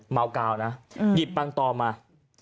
เมากาวนะหยิบปังตอมา